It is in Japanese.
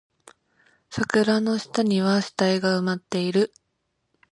桜の下には死体が埋まっている